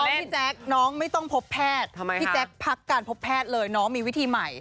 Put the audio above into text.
พี่แจ๊คน้องไม่ต้องพบแพทย์พี่แจ๊คพักการพบแพทย์เลยน้องมีวิธีใหม่